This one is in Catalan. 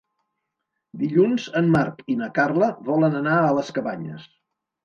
Dilluns en Marc i na Carla volen anar a les Cabanyes.